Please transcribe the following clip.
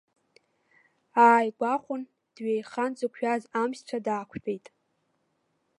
Ааигәахәын, дҩеихан дзықәиаз амшә-цәа даақәтәеит.